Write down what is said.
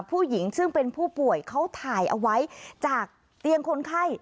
ผู้หญิงซึ่งเป็นผู้ป่วยเขาถ่ายเอาไว้จากเตียงคนไข้